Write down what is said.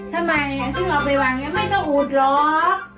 ทำไมที่เราไปวางยังไม่ต้องอูดรอบ